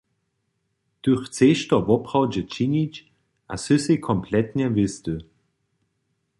Ty chceš to woprawdźe činić a sy sej kompletnje wěsty?